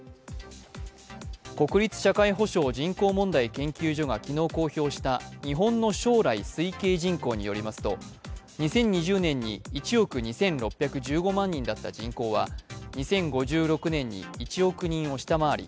国立社会保障・人口問題研究所が昨日公表した日本の将来推計人口によりますと２０２０年に１億２６１５万人だった人口は２０５６年に１億人を下回り